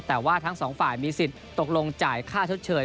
แต่ว่าทั้งสองฝ่ายมีสิทธิ์ตกลงจ่ายค่าชดเชย